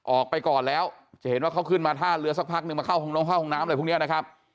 ออกไปก่อนแล้วจะเห็นว่าเขาขึ้นมาท่าเรือสักพักนึงมาเข้าห้องน้องเข้าห้องน้ำอะไรพวกนี้นะครับ